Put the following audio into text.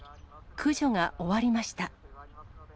駆除が終わりました。